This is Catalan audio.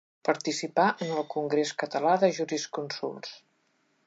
Participà en el Congrés Català de Jurisconsults.